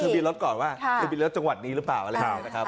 มีรถก่อนว่ามีรถจังหวัดนี้หรือเปล่า